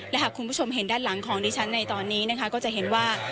และหากคุณผู้ชมเห็นด้านหลังของดิฉันในตอนนี้นะคะก็จะเห็นว่า